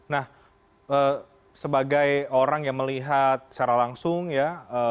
nah sebagai orang yang melihat secara langsung ya